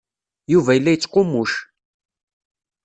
Yuba yella yettqummuc.